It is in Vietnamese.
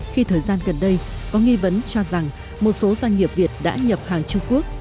khi thời gian gần đây có nghi vấn cho rằng một số doanh nghiệp việt đã nhập hàng trung quốc